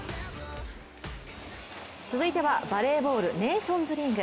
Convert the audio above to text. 続いてはバレーボールネーションズリーグ。